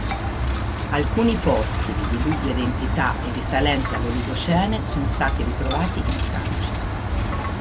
Alcuni fossili di dubbia identità e risalenti all'Oligocene sono stati ritrovati in Francia.